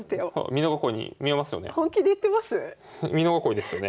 美濃囲いですよね？